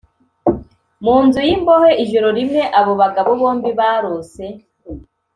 mu nzu y imbohe ijoro rimwe abo bagabo bombi barose